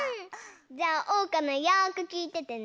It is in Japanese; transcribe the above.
じゃあおうかのよくきいててね。